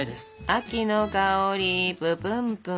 秋の香りププンプン。